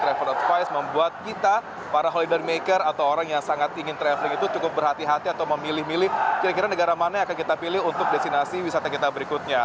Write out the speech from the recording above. travel advice membuat kita para holidarmaker atau orang yang sangat ingin traveling itu cukup berhati hati atau memilih milih kira kira negara mana yang akan kita pilih untuk destinasi wisata kita berikutnya